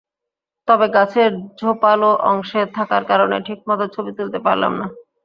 তবে গাছের ঝোপালো অংশে থাকার কারণে ঠিকমতো ছবি তুলতে পারলাম না।